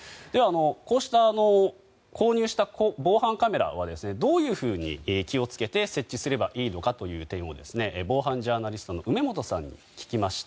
こうした購入した防犯カメラをどういうふうに気を付けて設置すればいいのかという点を防犯ジャーナリストの梅本さんに聞きました。